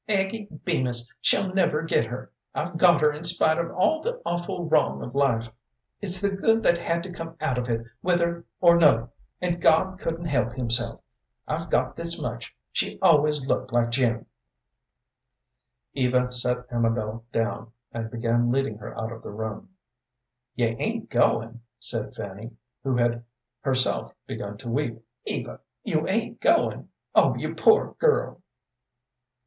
Aggie Bemis shall never get her. I've got her in spite of all the awful wrong of life; it's the good that had to come out of it whether or no, and God couldn't help Himself. I've got this much. She always looked like Jim." Eva set Amabel down and began leading her out of the room. "You ain't goin'?" said Fanny, who had herself begun to weep. "Eva, you ain't goin'? Oh, you poor girl!"